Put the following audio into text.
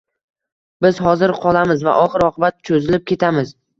Biz hozir qolamiz va oxir-oqibat cho'zilib ketamiz"